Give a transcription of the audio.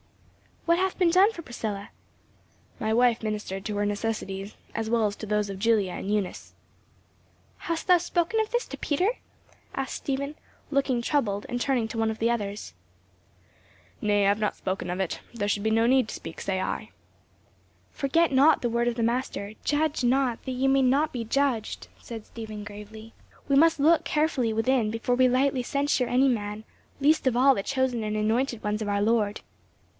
"What hath been done for Priscilla?" "My wife ministered to her necessities, as well as to those of Julia and Eunice." "Hast thou spoken of this to Peter?" asked Stephen, looking troubled and turning to one of the others. "Nay, I have not spoken of it; there should be no need to speak, say I." "Forget not the word of the Master, 'Judge not that ye be not judged,' said Stephen, gravely. "We must look carefully within before we lightly censure any man least of all the chosen and anointed ones of our Lord."